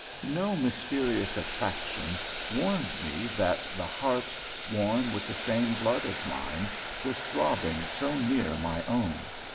No mysterious attraction warned me that the heart warm with the same blood as mine was throbbing so near my own.